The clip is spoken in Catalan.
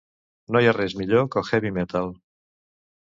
No hi ha res millor que el heavy metal.